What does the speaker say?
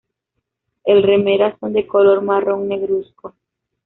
El remeras son de color marrón negruzco.